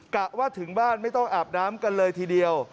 กะว่าถึงบ้านไม่ต้องอาบน้ำกันเลยทีเดียว